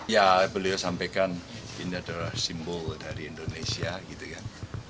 ya beliau sampaikan ini adalah simbol dari indonesia gitu kan